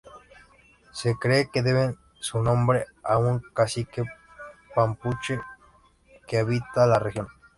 Se cree que debe su nombre a un cacique mapuche que habitaba la región.